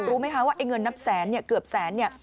รู้ไหมคะว่าเงินนับแสนเกือบแสน